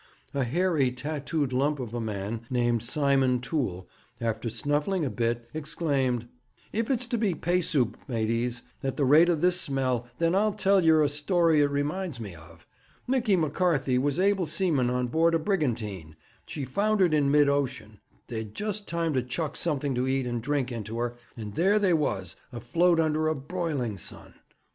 A hairy, tattooed lump of a man, named Simon Toole, after snuffling a bit, exclaimed: 'If it's to be pay soup, maties, at the rate of this smell, then I'll tell yer a story it reminds me of. Micky M'Carthy was able seaman on board a brigantine. She foundered in mid ocean. They'd just time to chuck something to eat and drink into her, and there they was, afloat under a broiling sun.